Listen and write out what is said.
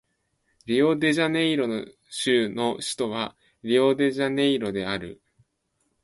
リオデジャネイロ州の州都はリオデジャネイロである